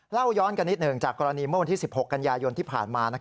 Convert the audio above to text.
เล่าย้อนกันนิดหนึ่งจากกรณีเมื่อวันที่๑๖กันยายนที่ผ่านมา